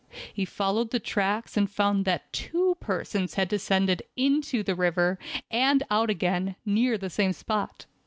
He followed the tracks, and found that two persons had descended into the river, and out again, near the same spot.